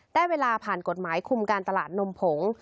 ได้เวลาผ่านกฎหมายคุมการตลาดนมผง